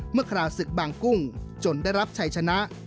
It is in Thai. คราวศึกบางกุ้งจนได้รับชัยชนะ